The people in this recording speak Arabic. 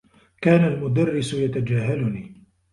كان المدرّس يتجاهلني.